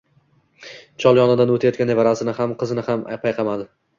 Chol yonidan oʼtayotgan nevarasini ham, qizni ham payqamadi.